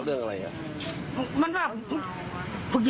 แล้วปุ้มลดแล้วพี่ก่อนได้ดูที